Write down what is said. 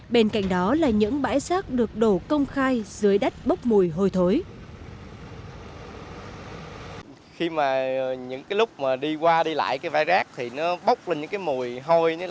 bên cạnh đó là những bãi rác được đổ công khai dưới đất bốc mùi hôi thối